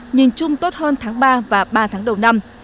nhìn chung tốt hơn tháng ba và ba tháng đầu năm